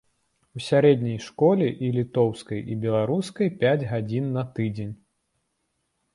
У сярэдняй школе і літоўскай, і беларускай пяць гадзін на тыдзень.